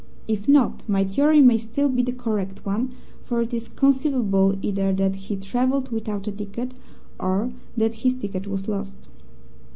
If not, my theory may still be the correct one, for it is conceivable either that he travelled without a ticket or that his ticket was lost."